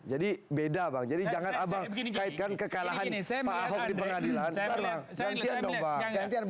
jadi beda jadi jangan kaitkan kekalahan pak ahok di pengadilan